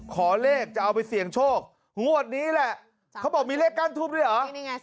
ขอเลขเอาไปเสี่ยงโชคหัวหนินี้แหละเขาบอกมีเลขกั้นทูปด้วยเหรอมีไง๓๙๔